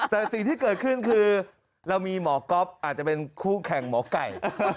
แต่สิ่งที่เกิดขึ้นคือเรามีหมอก๊อฟอาจจะเป็นคู่แข่งหมอไก่